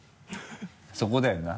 そこだよな。